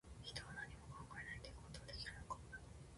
人は、何も考えないということはできるのか